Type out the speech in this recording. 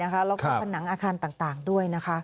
และภาพหนังอาคารต่างด้วยนะครับ